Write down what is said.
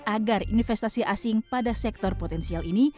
agar investasi asing pada sektor potensial ini